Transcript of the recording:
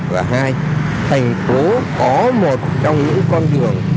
và hai thành phố có một trong những con đường